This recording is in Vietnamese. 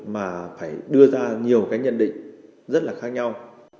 mà phải đưa ra nhiều cái nhận định rất là khác nhau